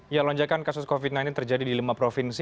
ya lonjakan kasus covid sembilan belas terjadi di lima provinsi